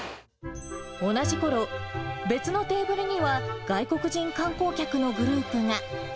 同じころ、別のテーブルには外国人観光客のグループが。